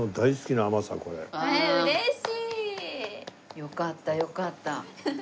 よかったよかった。